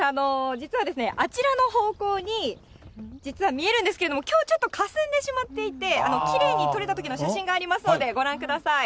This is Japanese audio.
実は、あちらの方向に、実は見えるんですけれども、きょう、ちょっとかすんでしまっていて、きれいに撮れたときの写真がありますので、ご覧ください。